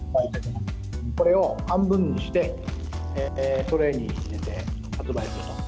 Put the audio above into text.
これを半分にして、トレーに入れて発売すると。